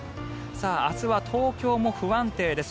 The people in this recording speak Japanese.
明日は東京も不安定です。